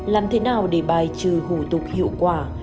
làm thế nào để bài trừ hủ tục hiệu quả